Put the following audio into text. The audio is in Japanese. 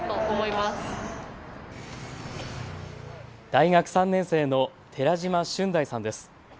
大学３年生の寺嶋竣大さんです。